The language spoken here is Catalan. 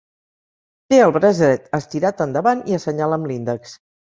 Té el braç dret estirat endavant i assenyala amb l'índex.